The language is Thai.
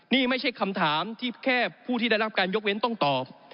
นี่ไม่ใช่คำถามที่แค่ผู้ที่ได้รับการยกเว้นต้องตอบ